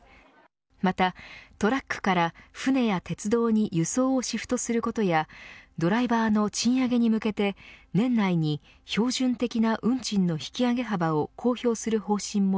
また、トラックから船や鉄道に輸送をシフトすることやドライバーの賃上げに向けて年内に標準的な運賃の引き上げ幅を公表する方針も